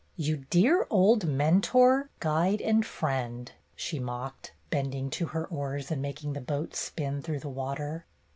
"You dear old Mentor, Guide, and Friend !" she mocked, bending to her oars and making the boat spin through the water.